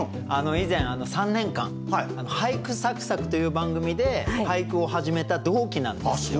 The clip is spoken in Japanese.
以前３年間「俳句さく咲く！」という番組で俳句を始めた同期なんですよ。